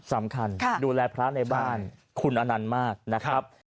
สำคัญดูแลพระในบ้านคุณอนันต์มากนะครับ